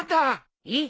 えっ！？